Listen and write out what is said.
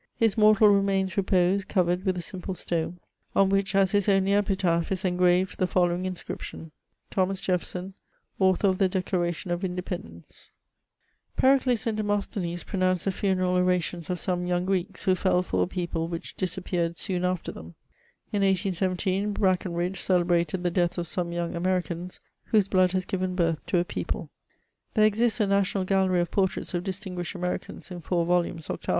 His mortal remains repose, covered with a simple stone, on which, as his only epitaph, is engraved the following inscription: '^Thomas Jeffebson, Author of the Declaration of Independence,^^ Pericles and Demosthenes pronounced the funeral orations of some young Greeks, who fell for a people which disappeared soon after them ; in 1817, Brackenridge celebrated the death of some young Americans, whose blood has given birth to a people. There exists a national gallery of portraits of disting^shed Americans, in four volumes, 8vo.